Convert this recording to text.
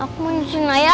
aku mau disini ya